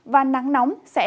và nắng nóng sẽ